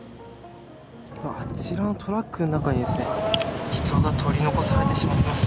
あちらのトラックの中に人が取り残されてしまっています。